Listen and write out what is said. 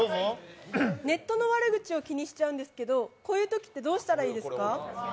ネットの悪口を気にしちゃうんですけどこういうときってどうしたらいいですか。